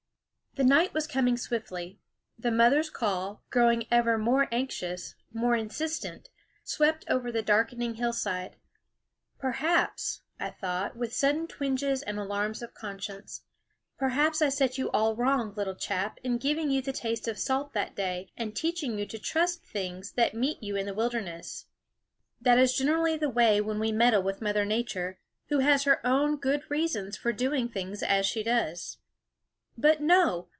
The night was coming swiftly. The mother's call, growing ever more anxious, more insistent, swept over the darkening hill side. " Perhaps," I thought, with sudden THE WOODS * twinges and alarms of conscience, "perhaps I set you all wrong, little chap, in giving you the taste of salt that day, and teaching you to trust things that meet you in the wilderness." That is generally the way when we meddle with Mother Nature, who has her own good reasons for doing things as she does. " But no